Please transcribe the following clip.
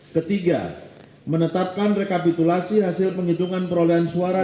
ketiga menetapkan rekapitulasi hasil penghitungan perolehan suara